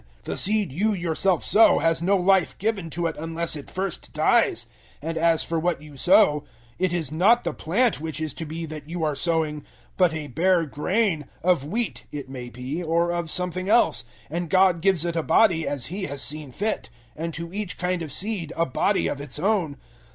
the seed you yourself sow has no life given to it unless it first dies; 015:037 and as for what you sow, it is not the plant which is to be that you are sowing, but a bare grain, of wheat (it may be) or of something else, and God gives it a body as He has seen fit, 015:038 and to each kind of seed a body of its own.